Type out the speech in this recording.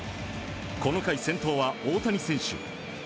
この回、先頭は大谷選手。